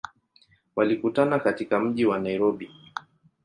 Walikutana katika mji wa Nairobi.